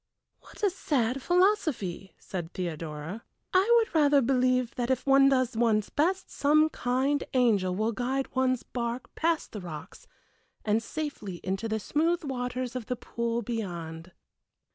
"What a sad philosophy!" said Theodora. "I would rather believe that if one does one's best some kind angel will guide one's bark past the rocks and safely into the smooth waters of the pool beyond."